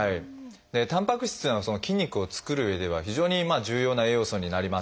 たんぱく質っていうのは筋肉を作るうえでは非常に重要な栄養素になります。